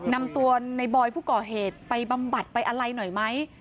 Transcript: นำตัวในบอยผู้ก่อเหตุไปบำบัดไปอะไรหน่อยไหม